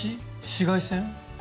紫外線？